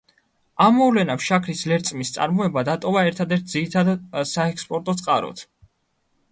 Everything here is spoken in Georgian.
ამ მოვლენამ შაქრის ლერწმის წარმოება დატოვა ერთადერთ ძირითად საექსპორტო წყაროდ.